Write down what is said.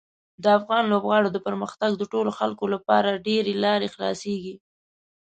د افغان لوبغاړو د پرمختګ د ټولو خلکو لپاره ډېرې لارې خلاصیږي.